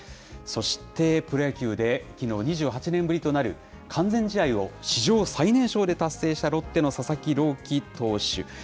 そしてプロ野球で、きのう、２８年ぶりとなる完全試合を史上最年少で達成したロッテの佐々木朗希投手。